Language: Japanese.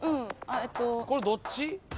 これどっち？